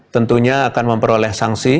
tentunya akan memperoleh sanksi